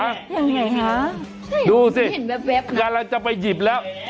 ยังไงฮะดูสิกำลังจะไปหยิบแล้ว